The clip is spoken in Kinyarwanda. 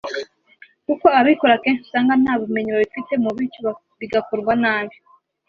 kuko ababikora akenshi usanga nta bumenyi babifitemo bityo bigakorwa nabi